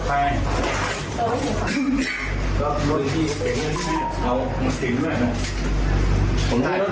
เพื่อนข์ยืนหน้ามันแน่นมากเลยอ่ะ